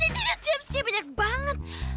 ini tipsnya banyak banget